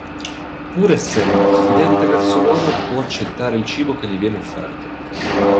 Pur essendo diffidente verso l'uomo può accettare il cibo che gli viene offerto.